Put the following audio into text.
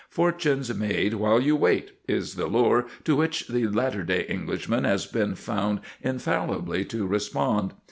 "Fortunes made while you wait," is the lure to which the latter day Englishman has been found infallibly to respond.